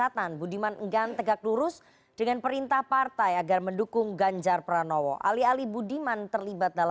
tim liputan cnn indonesia